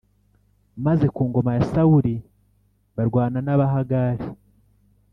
Maze ku ngoma ya Sawuli barwana n Abahagari